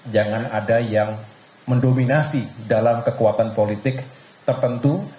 jangan ada yang mendominasi dalam kekuatan politik tertentu